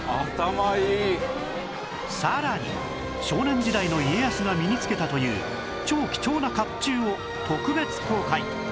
さらに少年時代の家康が身に着けたという超貴重な甲冑を特別公開